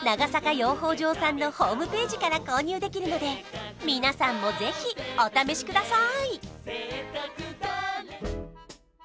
養蜂場さんのホームページから購入できるので皆さんもぜひお試しください